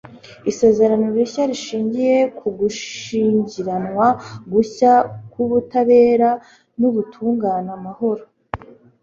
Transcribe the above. isezerano rishya, rishingiye k'ugushyingiranwa gushya, k'ubutabera n'ubutungane, amahoro